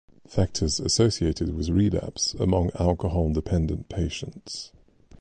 Factors associated with relapse among alcohol dependent patients.